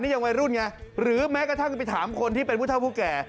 ยังวัยรุ่นไงหรือแม้กระทั่งไปถามคนที่เป็นผู้เท่าผู้แก่